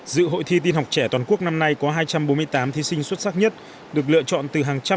dự hội thi tiên học trẻ toàn quốc năm nay có hai trăm bốn mươi tám thí sinh xuất sắc nhất được lựa chọn từ hàng trăm